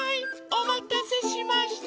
おまたせしました。